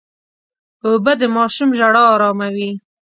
اوبه د ماشوم ژړا اراموي.